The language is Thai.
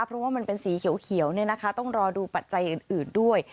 เพราะว่ามันเป็นสีเขียวต้องรอดูปัจจัยอื่นด้วย